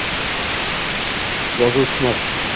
Yovuz tuhmat